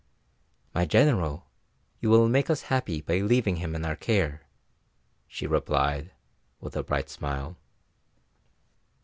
"My General, you will make us happy by leaving him in our care," she replied, with a bright smile.